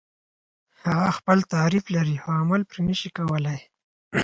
هغه خپل تعریف لري خو عمل نشي پرې کولای.